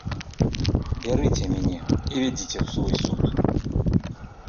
Бярыце мяне і вядзіце ў свой суд.